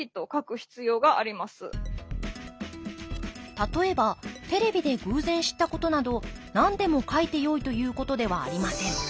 例えばテレビで偶然知ったことなど何でも書いてよいということではありません。